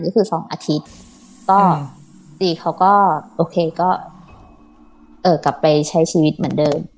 ก็คือ๒อาทิตย์ก็ตีเขาก็โอเคก็กลับไปใช้ชีวิตเหมือนเดิม